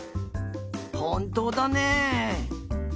ほんとうだねえ。